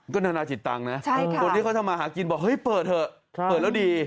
ก็นานาจิตตังค์นะคนที่เขาทำมาหากินบอกเฮ้ยเปิดเถอะเปิดแล้วดี